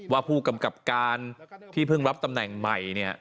ว่าผู้กำกับการที่เพิ่งรับตำแหน่งใหม่เนี่ย